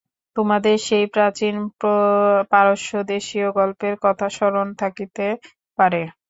তোমাদের সেই প্রাচীন পারস্যদেশীয় গল্পের কথা স্মরণ থাকিতে পারে।